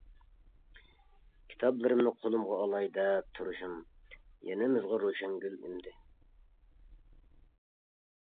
كىتابلىرىمنى قولۇمغا ئالاي دەپ تۇرۇشۇم يېنىمىزغا روشەنگۈل ئۈندى.